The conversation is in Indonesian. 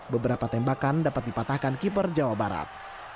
beberapa tembakan dapat dipatahkan keeper jawa barat